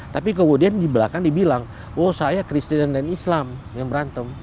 tapi kemudian di belakang dibilang oh saya kristen dan islam yang berantem